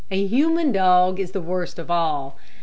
A human dog is the worst of all.